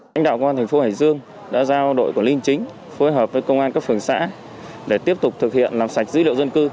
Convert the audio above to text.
hành đạo công an tp hải dương đã giao đội của linh chính phối hợp với công an các phường xã để tiếp tục thực hiện làm sạch dữ liệu dân cư